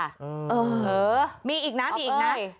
เออมีอีกนะมีอีกนะ